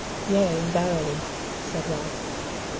"Yea, verily," said Ralph.